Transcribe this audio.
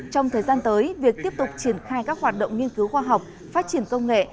trong thời gian tới việc tiếp tục triển khai các hoạt động nghiên cứu khoa học phát triển công nghệ